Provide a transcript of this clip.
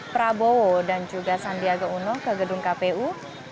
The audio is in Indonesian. prabowo dan juga sandiaga uno ke gedung kpu